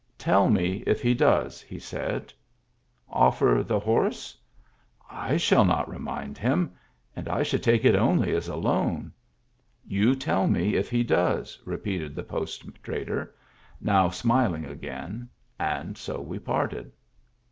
" Tell me if he does," he said. " Offer the horse ? I shall not remind him — and I should take it only as a loan." "You tell me if he does," repeated the post trader, now smiling again, and so we parted.